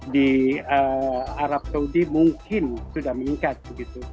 di arab saudi mungkin sudah meningkat begitu